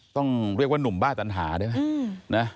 ต้องเรียกว่าหนุ่มบ้าจันทราด้วยนะ